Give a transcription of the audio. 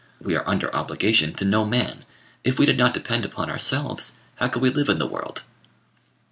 We are under obligation to no man. If we did not depend upon ourselves, how could we live in the world?"